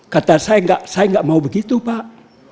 kata saya nggak mau begitu pak